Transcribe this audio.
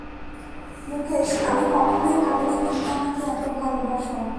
মুকেশ, আমি কখনই ভাবিনি তুমি আমাকে এত ভালবাস।